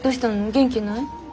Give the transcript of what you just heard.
元気ない？